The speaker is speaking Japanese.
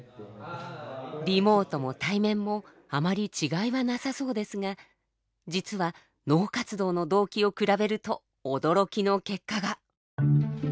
リモートも対面もあまり違いはなさそうですが実は脳活動の同期を比べると驚きの結果が！